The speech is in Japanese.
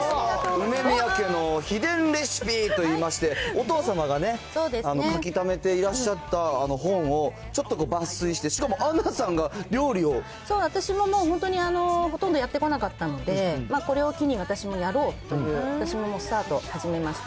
梅宮家の秘伝レシピといいまして、お父様がね、書き留めていらっしゃった本をちょっと抜粋して、そう、私も本当にほとんどやってこなかったので、これを機に、私もやろうという、私もスタート始めました。